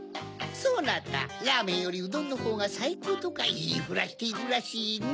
そなたラーメンよりうどんのほうがさいこうとかいいふらしているらしいネ。